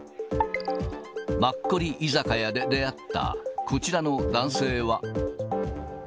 マッコリ居酒屋で出会った、こちらの男性は。